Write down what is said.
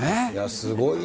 すごいね。